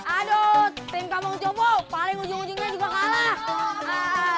aduh tim kamu coba paling ujung ujungnya juga kalah